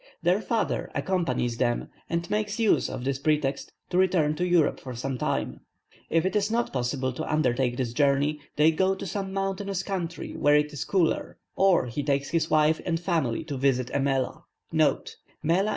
Their father accompanies them, and makes use of this pretext to return to Europe for some time. If it is not possible to undertake this journey, they go to some mountainous country, where it is cooler, or he takes his wife and family to visit a Mela.